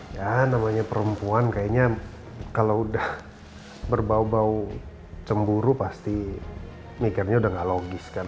ya namanya perempuan kayaknya kalau udah berbau bau cemburu pasti mikirnya udah gak logis kan